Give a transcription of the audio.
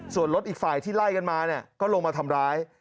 ส่วนรถอีกฝ่ายที่ไล่กันมาเนี่ยก็ลงมาทำร้าย